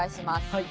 はい。